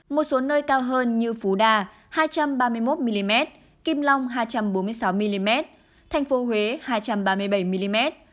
một số nơi cao hơn như phú đà hai trăm ba mươi một mm kim long hai trăm bốn mươi sáu mm thành phố huế hai trăm ba mươi bảy mm